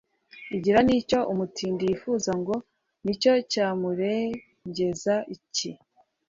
Igira n' icyo umutindi yifuza ngo nicyo cyamurengereza icyi